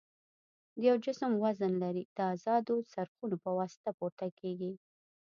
د یو جسم وزن لري د ازادو څرخونو په واسطه پورته کیږي.